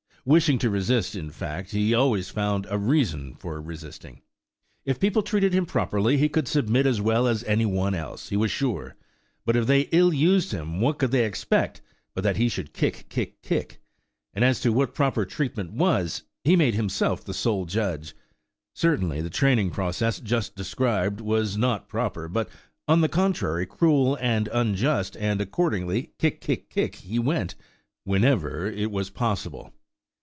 Wishing to resist, in fact, he always found a reason for resisting. If people treated him properly he could submit as well as any one else, he was sure; but if they ill used him, what could they expect but that he should kick–kick–kick? And as to what proper treatment was, he made himself the sole judge. Certainly the training process just described was not proper, but on the contrary cruel and unjust, and accordingly kick, kick, kick he went, whenever it was possible.